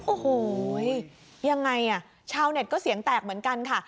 โอ้โหยังไงอ่ะชาวเน็ตก็เสียงแตกเหมือนกันค่ะ